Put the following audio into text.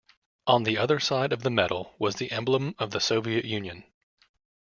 On the other side of the medal was the emblem of the Soviet Union.